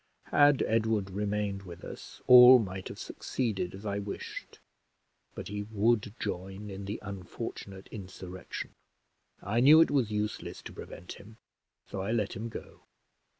Had Edward remained with us, all might have succeeded as I wished; but he would join in the unfortunate insurrection. I knew it was useless to prevent him, so I let him go.